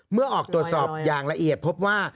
เมื่อออกตรวจสอบอย่างละเอียดพบว่า